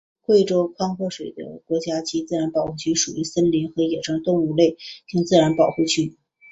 贵州宽阔水国家级自然保护区属于森林和野生动物类型自然保护区。